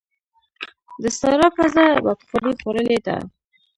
د سارا پزه بادخورې خوړلې ده.